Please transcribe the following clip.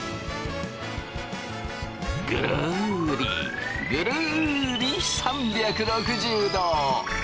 ぐるりぐるり３６０度！